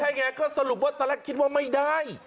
ใช่ไงก็สรุปว่าตอนแรกคิดว่าไม่ได้